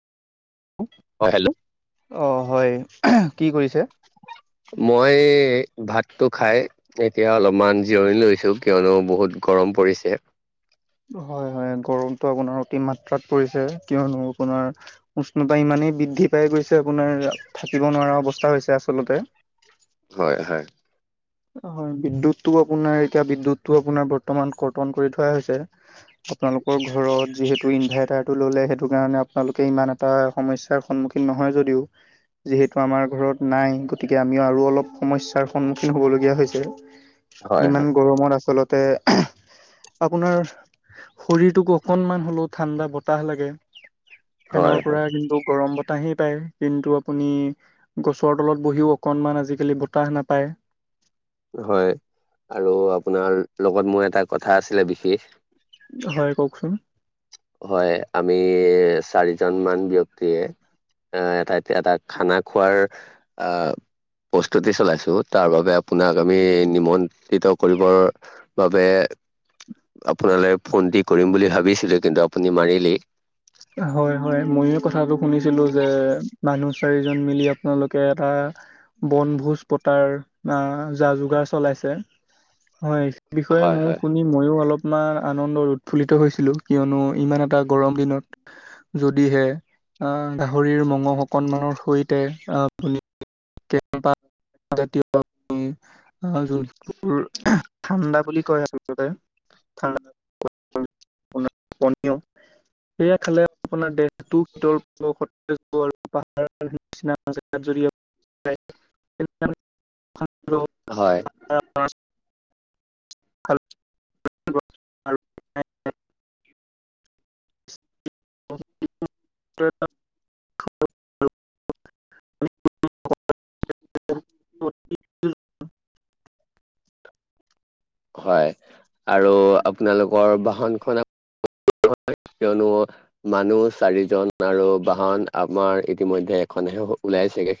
হয় হেল্ল'অ অ হয় কি কৰিছে? মই এই ভাতটো খাই এতিয়া অলপমান জিৰণি লৈছো কিয়নো বহুত গৰম পৰিছে। হয় হয় গৰমটো আপোনাৰ অতি মাত্ৰাত পৰিছে কিয়নো আপোনাৰ উষ্ণতা ইমানেই বৃদ্ধি পাই গৈছে আপোনাৰ থাকিব নোৱাৰা অৱস্থা হৈছে আচলতে। হয় হয়। হয় বিদ্যুতটো আপোনাৰ এতিয়া বিদ্যুতটো আপোনাৰ বৰ্তমান কৰ্তন কৰি থোৱাই হৈছে। আপোনালোকৰ ঘৰত যিহেতু ইনভাইৰ্টাৰ টো ললে সেইটো কাৰণে আপোনালোকে ইমান এটা সমস্যাৰ সন্মুখীন নহয় যদিওঁ যিহেতু আমাৰ ঘৰত নাই গতিকে আমিও আৰু অলপ সমস্যাৰ সন্মুখীন হ'বলগীয়া হৈছে হয়, ইমান হয়, গৰমত আচলতে আপোনাৰ শৰীৰটোক অকনমান হ'লেও ঠাণ্ডা বতাহ লাগে। ফেনৰ হয়, হয়, পৰা কিন্তু গৰম বতাহ বতাহেই পায় কিন্তু আপুনি গছৰ তলত বহিও অকণমান আজিকালি বতাহ নাপায়। হয় আৰু আপোনাৰ লগত মোৰ এটা কথা আছিলে বিশেষ। হয় কওকচোন হয় আমি চাৰিজন মান ব্যক্তিয়েই আহ এটা এতিয়া এটা খানা খোৱাৰ আহ প্ৰস্তুতি চলাইছো তাৰ বাবে আপোনাক আমি নিমন্ত্ৰিত কৰিবৰ বাবে আপোনালৈ ফোনটি কৰিম বুলি ভাবিছিলো কিন্তু আপুনি মাৰিলেই। হয় হয় ময়ো কথাটো শুনিছিলো যে মানুহ চাৰিজন মিলি আপোনালোকে এটা বনভোজ পতাৰ যা যোগাৰ চলাইছে হয়। বিষয়ে হয়, মইয়ো হয়। শুনি মইয়ো অলপমান আনন্দত উৎফুল্লিত হৈছিলোঁ কিয়নো ইমান এটা গৰম দিনত যদিহে আহ গাহৰিৰ মঙহ অকনমানৰ সৈতে আহ পুনি [inaudible] মোৰ ঠাণ্ডা বুলি কয় আচলতে ঠাণ্ডা। [inaudible] [inaudible] হয়। [inaudible] [inaudible] [inaudible] খালে হয় আৰু আপোনালোকৰ বাহন খনক [inaudible] কিয়নো মানুহ চাৰিজন আৰু বাহন আমাৰ ইতিমধ্যে এখনহে ওলাইছে গে।